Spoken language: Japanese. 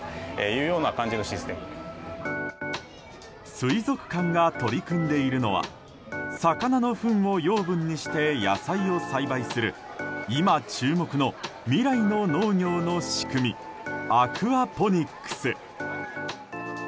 水族館が取り組んでいるのは魚のふんを養分にして野菜を栽培する今注目の未来の農業の仕組みアクアポニックス。